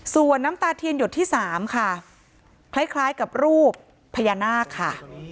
ส่วนน้ำตาเทียนหยดที่๓ค่ะคล้ายกับรูปพญานาคค่ะ